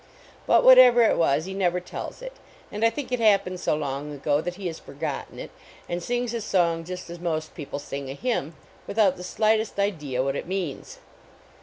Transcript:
But whatever it was, he never telN it, and I think it happened so long ago that he has forgotten it, and Mugs his song just as ir. < t people sing a hymn, without the slighter 165 THE KATYDID IX OPERA idea what it means.